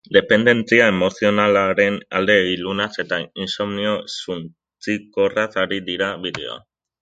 Dependentzia emozionalaren alde ilunaz eta insomnio suntsikorraz ari dira bideoan.